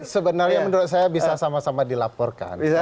sebenarnya menurut saya bisa sama sama dilaporkan